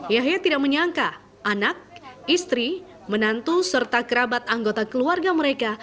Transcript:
yahya tidak menyangka anak istri menantu serta kerabat anggota keluarga mereka